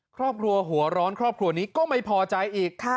ครอบครัวหัวร้อนครอบครัวนี้ก็ไม่พอใจอีก